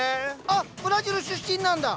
あブラジル出身なんだ。